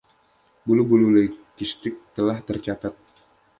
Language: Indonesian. Bulu-bulu leucistic telah tercatat.